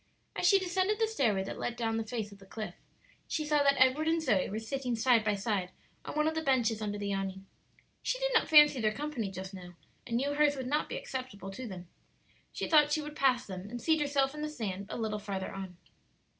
As she descended the stairway that led down the face of the cliff, she saw that Edward and Zoe were sitting side by side on one of the benches under the awning. She did not fancy their company just now, and knew hers would not be acceptable to them. She thought she would pass them and seat herself in the sand a little farther on.